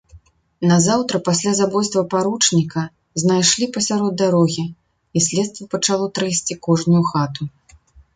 Назаўтра пасля забойства паручніка знайшлі пасярод дарогі, і следства пачало трэсці кожную хату.